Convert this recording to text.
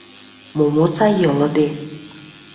МОМОЦА ЙЫЛЫДЕ